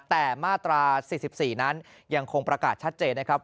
แต่มาตรา๔๔นั้นยังคงประกาศชัดเจนนะครับ